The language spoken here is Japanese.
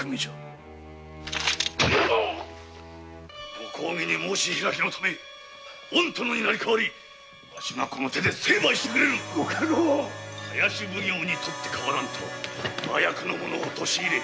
ご公儀に申し開きのためおん殿になり代わりわしがこの手で成敗してくれる林奉行に取って代わらんと上役の者を陥れ